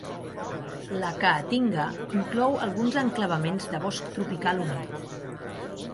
La caatinga inclou alguns enclavaments de bosc tropical humit.